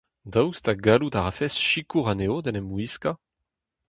Daoust ha gallout a rafes sikour anezho d'en em wiskañ ?